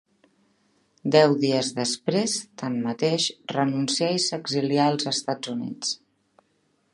Deu dies després, tanmateix, renuncià i s'exilià als Estats Units.